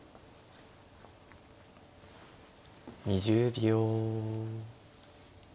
２０秒。